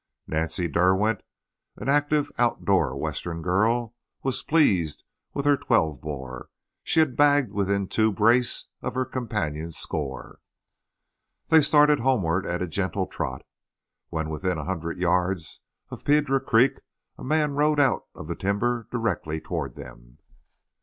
Nancy Derwent, an active, outdoor Western girl, was pleased with her twelve bore. She had bagged within two brace of her companion's score. They started homeward at a gentle trot. When within a hundred yards of Piedra Creek a man rode out of the timber directly toward them.